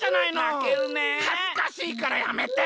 はずかしいからやめて！